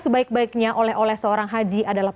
sebaik baiknya oleh oleh seorang haji adalah